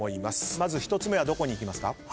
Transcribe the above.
まず１つ目はどこにいきますか？